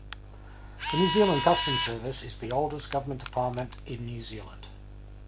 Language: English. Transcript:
The New Zealand Customs service is the oldest government department in New Zealand.